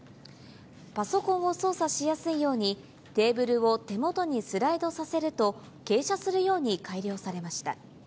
パソコンを操作しやすいように、テーブルを手元にスライドさせると、傾斜するように改良されました。